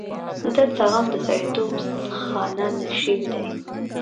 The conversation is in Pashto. دلته غم د سړیتوب خانه نشین دی.